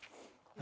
何？